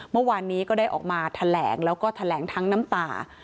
เมื่อวานนี้ก็ได้ออกมาแถลงแล้วก็แถลงทั้งน้ำตา